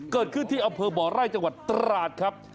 คือที่อเภอบไร่จังหวัดตราสครับ